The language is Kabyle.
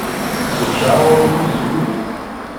Tečča aɣrum-nni s wudi.